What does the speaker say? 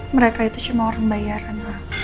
mereka itu cuma orang bayaran